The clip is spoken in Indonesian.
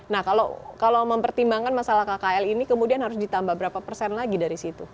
nah kalau mempertimbangkan masalah kkl ini kemudian harus ditambah berapa persen lagi dari situ